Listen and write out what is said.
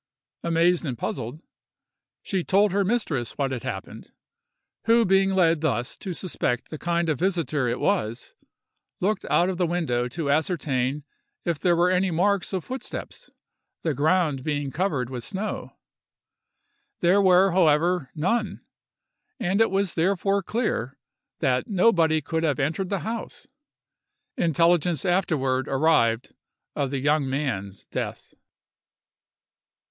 Amazed and puzzled, she told her mistress what had happened, who being led thus to suspect the kind of visiter it was, looked out of the window to ascertain if there were any marks of footsteps, the ground being covered with snow. There were, however, none,—and it was therefore clear that nobody could have entered the house. Intelligence afterward arrived of the young man's death.